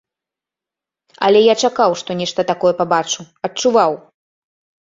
Але я чакаў, што нешта такое пабачу, адчуваў.